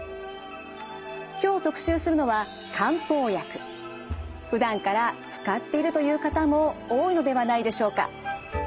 今日特集するのはふだんから使っているという方も多いのではないでしょうか。